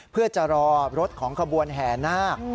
เพื่อจะรอรถของขบวนแห่นาค